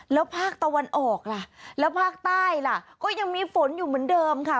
แล้วภาคตะวันออกล่ะแล้วภาคใต้ล่ะก็ยังมีฝนอยู่เหมือนเดิมค่ะ